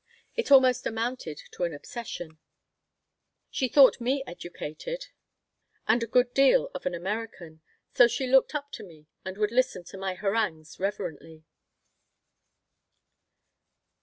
It almost amounted to an obsession. She thought me educated and a good deal of an American, so she looked up to me and would listen to my harangues reverently.